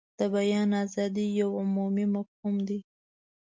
د بیان ازادي یو عمومي مفهوم دی.